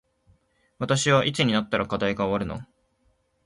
私はいつになったら課題が終わるの